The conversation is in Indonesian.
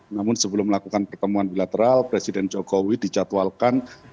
namun sebelum melakukan pertemuan bilateral presiden jokowi dijadwalkan